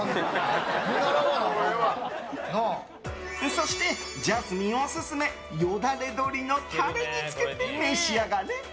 そしてＪＡＳＭＩＮＥオススメよだれ鶏のタレにつけて召し上がれ！